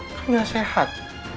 kamu gak sehat